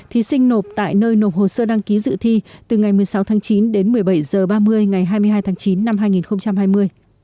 thí sinh nộp tại nơi nộp hồ sơ đăng ký dự thi từ ngày một mươi sáu tháng chín đến một mươi bảy h ba mươi ngày hai mươi hai tháng chín năm hai nghìn hai mươi